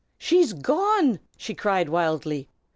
"She's gone!" she cried wildly.